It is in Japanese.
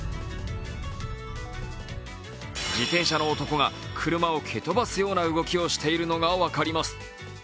自転車の男が車を蹴飛ばすような動きをしていることが分かります。